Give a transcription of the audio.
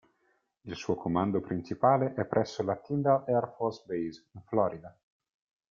Il suo comando principale è presso la Tyndall Air Force Base, in Florida.